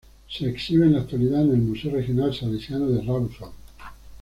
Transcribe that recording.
Se exhiben en la actualidad en Museo Regional Salesiano de Rawson.